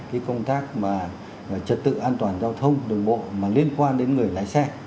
cái công tác mà trật tự an toàn giao thông đường bộ mà liên quan đến người lái xe